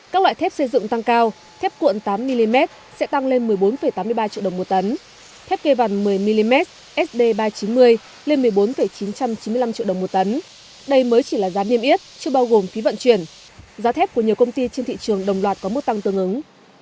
các loại thép xây dựng tăng cao thép cuộn tám mm sẽ tăng lên một mươi bốn tám mươi ba triệu đồng một tấn thép gây vằn một mươi mm sd ba trăm chín mươi lên một mươi bốn chín trăm chín mươi năm triệu đồng một tấn đây mới chỉ là giá niêm yết chưa bao gồm phí vận chuyển giá thép của nhiều công ty trên thị trường đồng loạt có mức tăng tương ứng